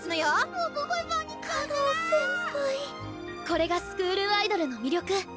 これがスクールアイドルの魅力。